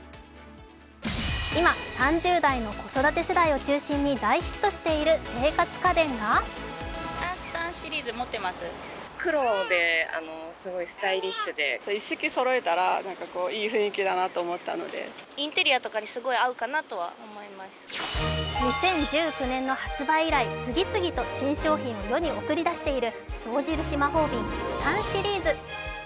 今、３０代の子育て世代を中心に大ヒットしている生活家電が２０１９年の発売以来、次々と新商品を世に送り出している象印マホービン、ＳＴＡＮ．シリーズ。